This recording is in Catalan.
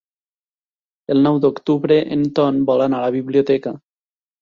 El nou d'octubre en Ton vol anar a la biblioteca.